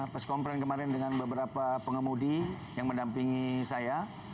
peskomplain kemarin dengan beberapa pengemudi yang mendampingi saya